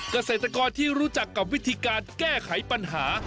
เกษตรกรที่รู้จักกับวิธีการแก้ไขปัญหา